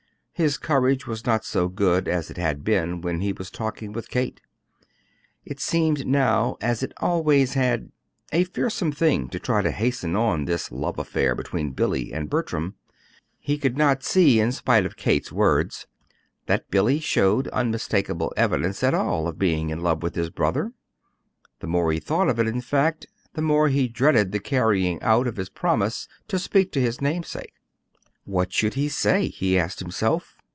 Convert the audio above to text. His courage was not so good as it had been when he was talking with Kate. It seemed now, as it always had, a fearsome thing to try to hasten on this love affair between Billy and Bertram. He could not see, in spite of Kate's words, that Billy showed unmistakable evidence at all of being in love with his brother. The more he thought of it, in fact, the more he dreaded the carrying out of his promise to speak to his namesake. What should he say, he asked himself.